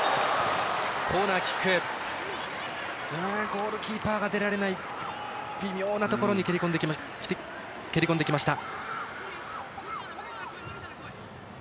ゴールキーパーが出られない微妙なところに蹴り込んできました。